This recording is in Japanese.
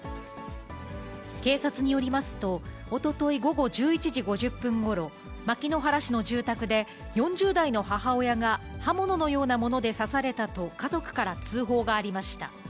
警察によりますと、おととい午後１１時５０分ごろ、牧之原市の住宅で、４０代の母親が刃物のようなもので刺されたと、家族から通報がありました。